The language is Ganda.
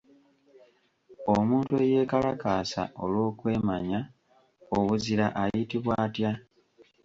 Omuntu eyeekalakaasa olw’okwemanya obuzira ayitibwa atya?